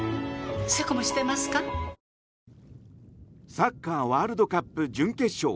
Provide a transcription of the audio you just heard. サッカーワールドカップ準決勝。